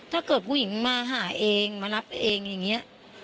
ถ้าเกิดผู้หญิงมาหาเองมารับเองอย่างนี้